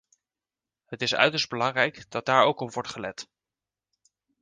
Het is uiterst belangrijk dat daar ook op wordt gelet.